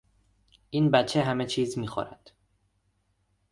این بچه همه چیز میخورد.